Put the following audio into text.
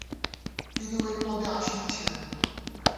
তিনি ওই পদে আসীন ছিলেন।